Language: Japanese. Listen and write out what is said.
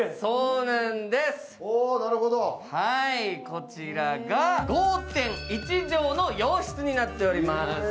こちらが５．１畳の洋室になっております。